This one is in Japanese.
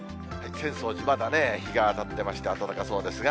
浅草寺、まだ日が当たってまして、暖かそうですが。